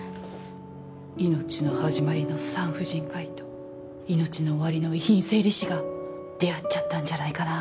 命の始まりの産婦人科医と命の終わりの遺品整理士が出会っちゃったんじゃないかな？